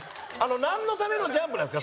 なんのためのジャンプなんですか？